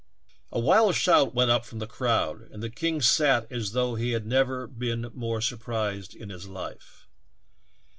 "A wild shout went up from the crowd, and the king sat as though he had never been more sur prised in his life.